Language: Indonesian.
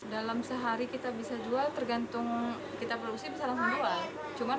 dalam sehari kita bisa jual tergantung kita produksi bisa langsung jual